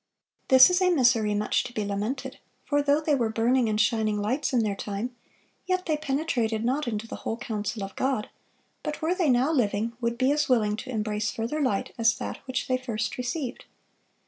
This is a misery much to be lamented; for though they were burning and shining lights in their time, yet they penetrated not into the whole counsel of God, but were they now living, would be as willing to embrace further light as that which they first received."